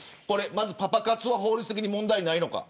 パパ活は法律的に問題ないのか。